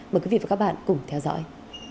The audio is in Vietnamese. mời quý vị và các bạn cùng theo dõi